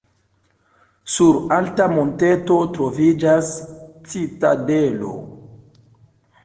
Sur alta monteto troviĝas citadelo.